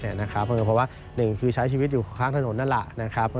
เพราะว่าหนึ่งคือใช้ชีวิตอยู่ข้างถนนนั่นแหละนะครับ